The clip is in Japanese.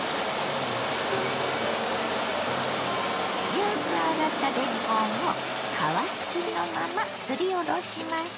よく洗ったれんこんを皮付きのまますりおろします。